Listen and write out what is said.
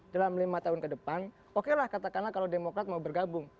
dalam lima tahun ke depan oke lah katakanlah kalau demokrat mau bergabung